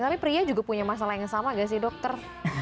tapi pria juga punya masalah yang sama gak sih dokter